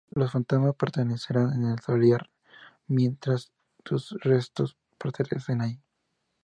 Los fantasmas permanecerán en el solar mientras sus restos permanezcan allí.